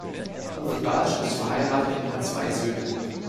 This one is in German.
Uwe Bartsch ist verheiratet und hat zwei Söhne.